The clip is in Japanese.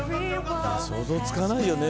想像つかないよね